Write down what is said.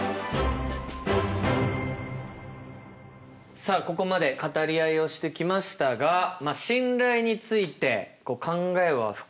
さあここまで語り合いをしてきましたが信頼について考えは深まりましたでしょうか？